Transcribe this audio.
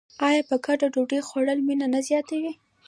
آیا په ګډه ډوډۍ خوړل مینه نه زیاتوي؟